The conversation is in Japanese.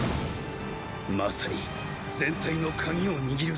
まさに全体のカギを握る戦場。